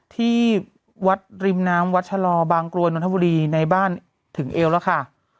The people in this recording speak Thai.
ที่วัดริมน้ำวัดชะลอบางกรวยนนทบุรีในบ้านถึงเอวแล้วค่ะ